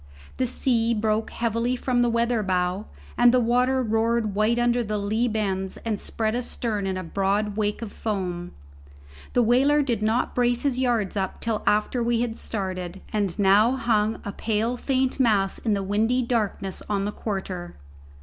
The sea broke heavily from the weather bow, and the water roared white under the lee bends and spread astern in a broad wake of foam. The whaler did not brace his yards up till after we had started, and now hung a pale faint mass in the windy darkness on the quarter.